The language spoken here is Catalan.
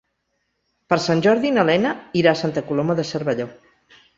Per Sant Jordi na Lena irà a Santa Coloma de Cervelló.